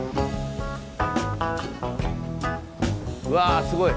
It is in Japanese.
うわすごい。